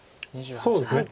そうですね。